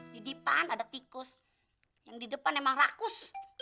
di depan ada tikus yang di depan emang rakus